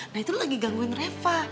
nah itu lagi gangguin reva